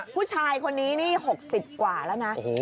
ผู้ชายคนนี้นี่๖๐กว่าแล้วนะ